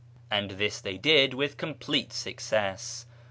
And this they did with complete success.